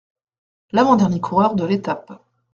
L’avant-dernier coureur de l’étape.